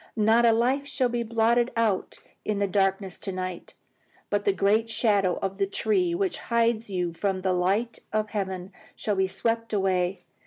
Not a life shall be blotted out in the darkness tonight; but the great shadow of the tree which hides you from the light of heaven shall be swept away.